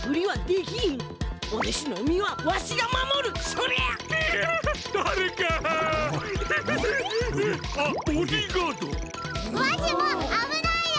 わしもあぶないよ！